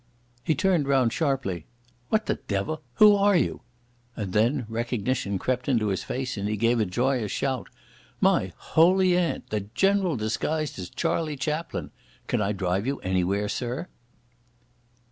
He turned round sharply. "What the devil—! Who are you?" And then recognition crept into his face and he gave a joyous shout. "My holy aunt! The General disguised as Charlie Chaplin! Can I drive you anywhere, sir?"